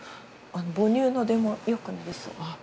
母乳の出も良くなりそう。